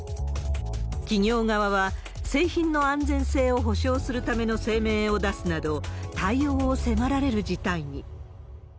企業側は、製品の安全性を保証するための声明を出すなど、対応を迫られる事態に。